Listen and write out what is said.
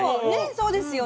そうですよね。